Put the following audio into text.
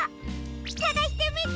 さがしてみてね！